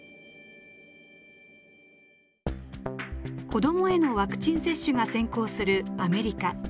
子どもへのワクチン接種が先行するアメリカ。